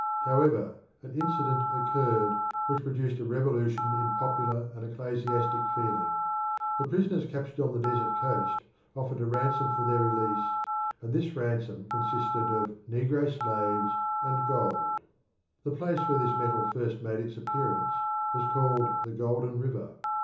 However, an incident occurred which produced a revolution in popular and ecclesiastic feeling. The prisoners captured on the desert coast offered a ransom for their release and this ransom consisted of negro slaves and gold. The place where this metal first made its appearance was called the Golden River.